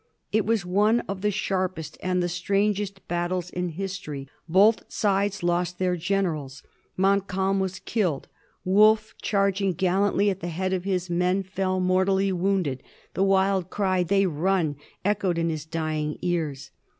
It was one of the sharpest and the strangest bat tles in history. Both sides lost their generals. Montcalm was killed ; Wolfe, charging gallantly at the head of his men, fell mortally wounded. The wild cry, " They run!" echoed in his dying ears.